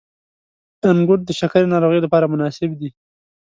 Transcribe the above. • انګور د شکرې ناروغۍ لپاره مناسب دي.